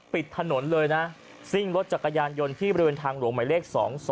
ปิดถนนเลยนะซิ่งรถจักรยานยนต์ที่บริเวณทางหลวงหมายเลข๒๒